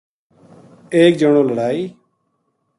ایک جنو لڑائی